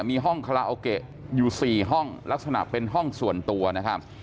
มีห้องคาราโอเกะอยู่๔ห้องลักษณะเป็นห้องส่วนตัวนะครับ